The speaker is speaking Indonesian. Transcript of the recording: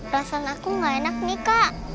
perasaan aku gak enak nih kak